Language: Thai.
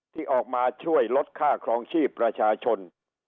ที่ออกมาช่วยลดค่าครองชีพประชาชน